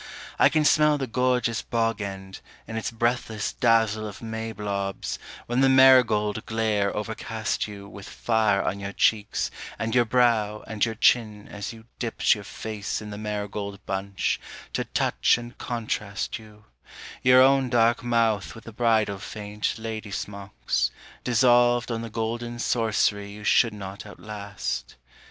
I can smell the gorgeous bog end, in its breathless Dazzle of may blobs, when the marigold glare overcast you With fire on your cheeks and your brow and your chin as you dipped Your face in the marigold bunch, to touch and contrast you, Your own dark mouth with the bridal faint lady smocks, Dissolved on the golden sorcery you should not outlast.